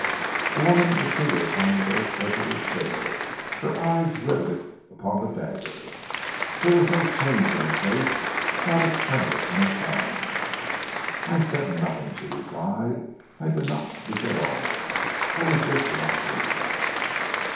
The woman was seated upon the very edge of her chair, her eyes rivetted upon the dagger. There was no change in her face, not a tremor in her tone. "I said nothing," she replied. "I did not speak at all. I was just watching."